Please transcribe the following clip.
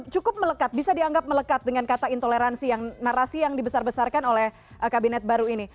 cukup melekat bisa dianggap melekat dengan kata intoleransi yang narasi yang dibesar besarkan oleh kabinet baru ini